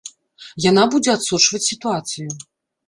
Яна будзе адсочваць сітуацыю.